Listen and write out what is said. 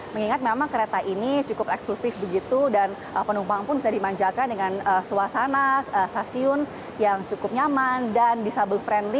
mengingat memang kereta ini cukup eksklusif begitu dan penumpang pun bisa dimanjakan dengan suasana stasiun yang cukup nyaman dan disabel friendly